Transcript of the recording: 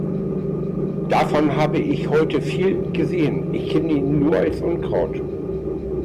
Davon hab ich heute viel gesehen. Ich kenne ihn nur als Unkraut.